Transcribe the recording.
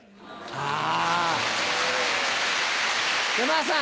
あぁ。